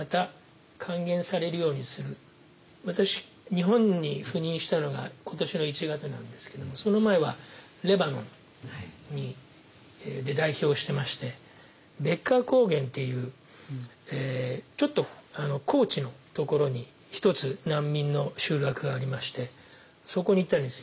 日本に赴任したのが今年の１月なんですけどもその前はレバノンで代表をしてましてベッカー高原っていうちょっと高地のところに１つ難民の集落がありましてそこに行ったんですよ。